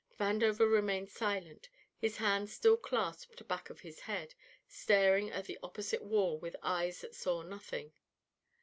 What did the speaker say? Vandover remained silent, his hands still clasped back of his head, staring at the opposite wall with eyes that saw nothing.